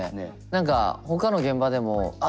何かほかの現場でもあっ